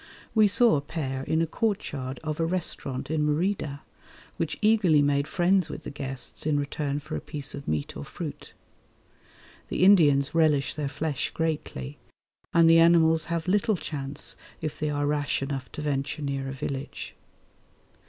We saw a pair in a courtyard of a restaurant in Merida, which eagerly made friends with the guests in return for a piece of meat or fruit. The Indians relish their flesh greatly, and the animals have little chance if they are rash enough to venture near a village.